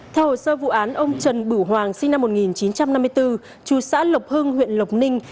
theo hồ sơ vụ án ông trần bửu hoàng sinh năm một nghìn chín trăm năm mươi bốn chú xã lộc hưng huyện lộc ninh